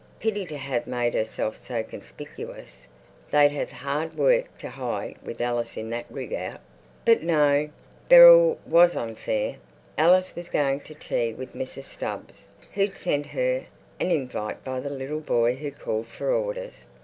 Pity to have made herself so conspicuous; they'd have hard work to hide with Alice in that rig out. But no, Beryl was unfair. Alice was going to tea with Mrs Stubbs, who'd sent her an "invite" by the little boy who called for orders.